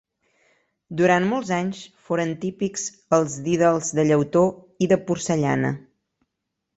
Durant molts anys foren típics els didals de llautó i de porcellana.